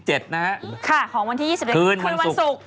ของวันที่๒๑คืนวันศุกร์